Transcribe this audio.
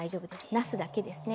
なすだけですね。